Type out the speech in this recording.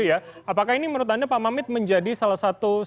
apakah ini menurut anda pak mamit menjadi salah satu